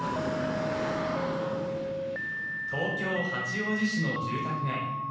東京・八王子市の住宅街。